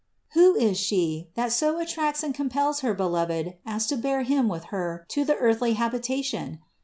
Who is She, that so attracts and compels her Beloved as to bear Him with Her to the earthly habitation?